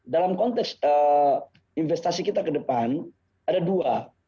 dalam konteks investasi kita ke depan ada dua